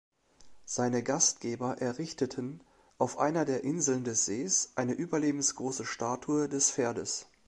Seine Gastgeber errichteten auf einer der Inseln des Sees eine überlebensgroße Statue des Pferdes.